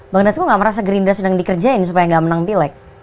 bang dasko nggak merasa gerindra sedang dikerjain supaya nggak menang pileg